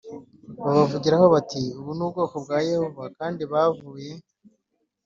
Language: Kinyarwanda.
Babavugiraho bati aba ni ubwoko bwa yehova kandi bavuye